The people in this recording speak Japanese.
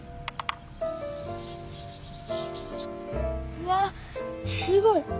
うわっすごい！